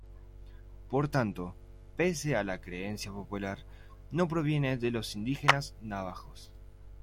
Por tanto, pese a la creencia popular, no proviene de los indígenas navajos.